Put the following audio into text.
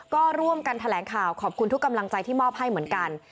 ก็ร่วมกันแถลงข่าวขอบคุณทุกกำลังใจที่มอบให้เหมือนกัน